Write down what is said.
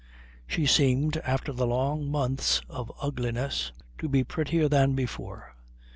She seemed, after the long months of ugliness, to be prettier than before.